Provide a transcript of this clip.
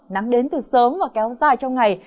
nắng đến từ sớm và kéo dài trong ngày